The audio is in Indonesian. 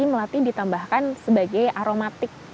jadi melati ditambahkan sebagai aromatik